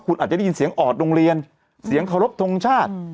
คุณอาจจะได้ยินเสียงออดโรงเรียนเสียงเคารพทงชาติ